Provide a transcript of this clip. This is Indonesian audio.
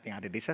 yang ada di desa